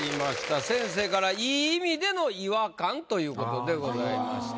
先生から「良い意味での違和感！」ということでございました。